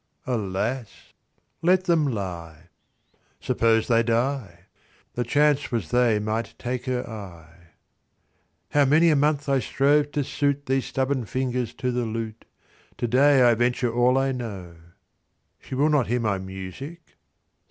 Alas! Let them lie. Suppose they die? The chance was they might take her eye. How many a month I strove to suit These stubborn fingers to the lute! To day I venture all I know. She will not hear my music?